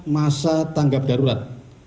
masa tanggap darurat